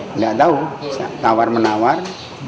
tidak tahu tawar menawar